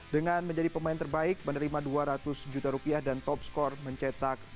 dengan menjadi pemain terbaik menerima dua ratus juta rupiah dan top skor mencetak satu